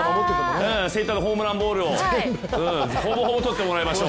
センターのホームランボールをほぼほぼとってもらいましょう。